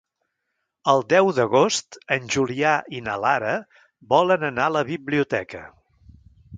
El deu d'agost en Julià i na Lara volen anar a la biblioteca.